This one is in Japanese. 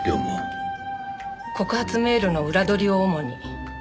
告発メールの裏取りを主に。